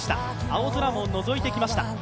青空ものぞいてきました。